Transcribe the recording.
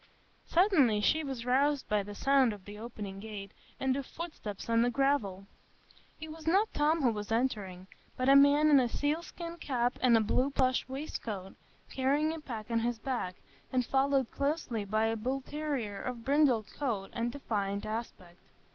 Suddenly she was roused by the sound of the opening gate and of footsteps on the gravel. It was not Tom who was entering, but a man in a sealskin cap and a blue plush waistcoat, carrying a pack on his back, and followed closely by a bullterrier of brindled coat and defiant aspect.